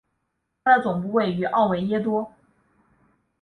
它的总部位于奥维耶多。